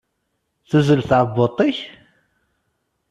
Tuzzel tɛebbuḍt-ik?